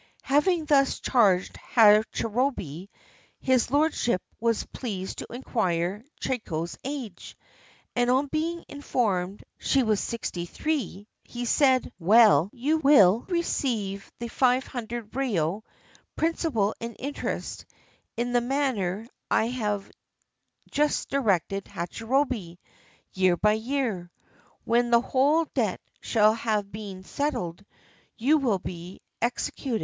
Having thus charged Hachirobei, his lordship was pleased to inquire Chiko's age, and on being informed she was sixty three, he said: "Well, you will receive the five hundred ryo, principal and interest, in the maimer I have just directed Hachirobei — year by year. When the whole debt shall have been settled, you will be executed."